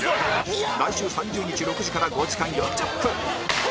来週３０日６時から５時間４０分